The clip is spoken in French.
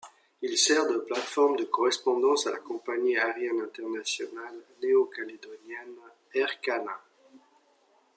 Il sert de plateforme de correspondance à la compagnie aérienne internationale néo-calédonienne, Aircalin.